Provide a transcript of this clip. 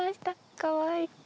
かわいい。